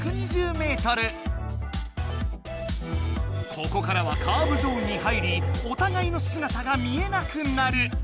ここからはカーブゾーンに入りおたがいのすがたが見えなくなる。